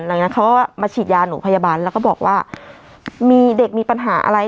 หลังจากนั้นเขาก็มาฉีดยาหนูพยาบาลแล้วก็บอกว่ามีเด็กมีปัญหาอะไร